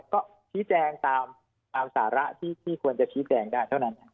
ก็ชี้แจงตามสาระที่ควรจะชี้แจงได้เท่านั้น